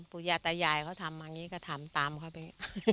ปุยัตยายเขาทำอันนี้ก็ทำตามเขาเป็นอย่างนี้